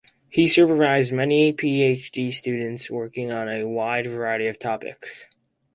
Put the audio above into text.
He supervised many PhD students, working on a wide variety of topics.